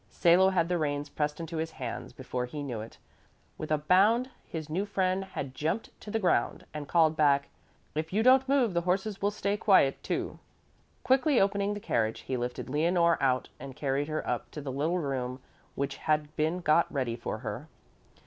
Salo had the reins pressed into his hands before he knew it. With a bound his new friend had jumped to the ground and called back, "If you don't move, the horses will stay quiet, too." Quickly opening the carriage, he lifted Leonore out and carried her up to the little room which had been got ready for her.